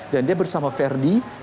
dan dia bersama ferdi